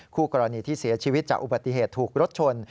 คู่กรณีที่เสียชีวิตจากอุบัติเหตุถูกรถชน